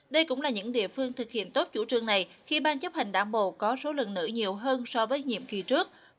đây cũng là những địa phương thực hiện tốt chủ trương này khi ban chấp hành đảng bộ có số lượng nữ nhiều hơn so với nhiệm kỳ trước